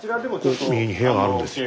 スタジオ右に部屋があるんですよ。